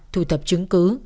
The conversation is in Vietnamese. thu thập chứng cứ